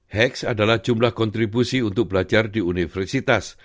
heax adalah jumlah kontribusi untuk belajar di universitas